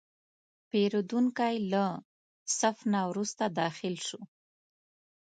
پیرودونکی له صف نه وروسته داخل شو.